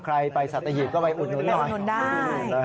ใครไปสัตหยิบก็ไปอดนดยนต์ได้